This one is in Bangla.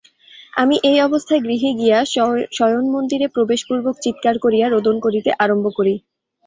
আমি এই অবস্থায় গৃহে গিয়া শয়নমন্দিরে প্রবেশপূর্বক চীৎকার করিয়া রোদন করিতে আরম্ভ করি।